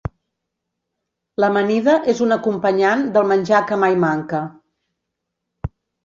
L'amanida és un acompanyant del menjar que mai manca.